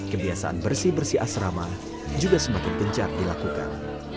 kebiasaan bersih bersih asrama juga semakin gencar dilakukan